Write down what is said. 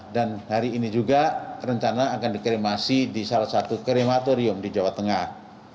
dan hari ini juga rencana akan dikremasi di salah satu krematorium di jawa tengah